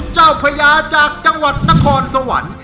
เจ้าพระยาจากจังหวัดนครสวรรค์